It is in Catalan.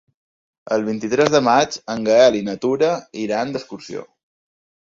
El vint-i-tres de maig en Gaël i na Tura iran d'excursió.